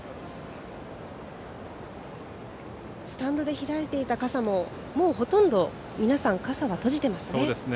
スタンドで開いていた傘ももうほとんど皆さん傘は閉じていますね。